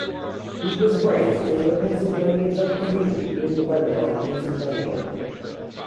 He was raised in the Pennsylvania Dutch community in Lebanon, Pennsylvania.